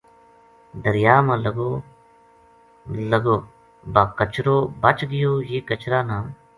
دریا ما لگو با کچرو بچ گیو یہ کچرا نا